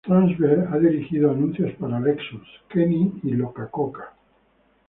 Trachtenberg ha dirigido anuncios para Lexus, Nike, y Coca Cola.